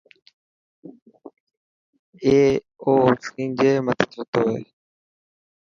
اي او اوسينجي مٿي ستو هي.